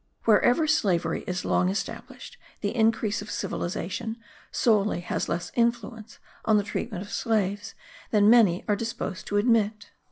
Wherever slavery is long established, the increase of civilization solely has less influence on the treatment of slaves than many are disposed to admit.